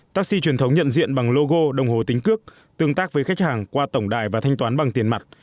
taxi truyền thống nhận diện bằng logo đồng hồ tính cước tương tác với khách hàng qua tổng đài và thanh toán bằng tiền mặt